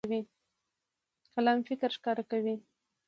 قلم فکر ښکاره کوي.